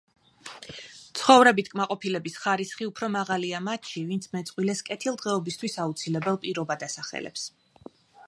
ცხოვრებით კმაყოფილების ხარისხი უფრო მაღალია მათში, ვინც მეწყვილეს კეთილდღეობისთვის აუცილებელ პირობად ასახელებს.